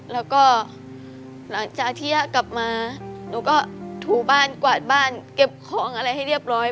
แล้วก็หลังจากที่ย่ากลับมาหนูก็ถูบ้านกวาดบ้านเก็บของอะไรให้เรียบร้อย